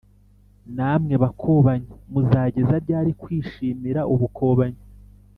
namwe bakobanyi, muzageza ryari kwishimira ubukobanyi,